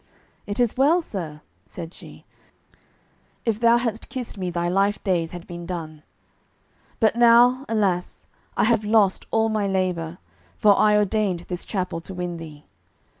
"It is well, sir," said she; "if thou hadst kissed me thy life days had been done. But now, alas, I have lost all my labour, for I ordained this chapel to win thee.